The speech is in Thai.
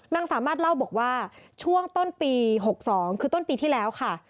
สามารถเล่าบอกว่าช่วงต้นปี๖๒คือต้นปีที่แล้วค่ะ